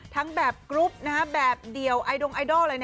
ทั้งแบบกรุ๊ปแบบเดียวไอดล์อะไร